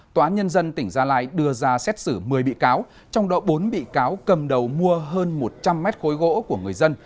tòa án nhân dân tỉnh gia lai đưa ra xét xử một mươi bị cáo trong đó bốn bị cáo cầm đầu mua hơn một trăm linh mét khối gỗ của người dân